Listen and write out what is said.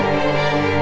flee dari ke puasa